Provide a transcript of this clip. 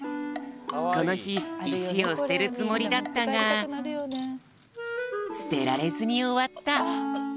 このひ石を捨てるつもりだったが捨てられずにおわった。